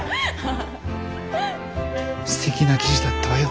すてきな記事だったわよ。